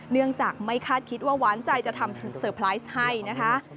เนื่องจากไม่คาดคิดว่าหวานใจจะทำเซอร์ไพรส์ให้นะคะ